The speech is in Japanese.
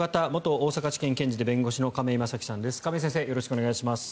よろしくお願いします。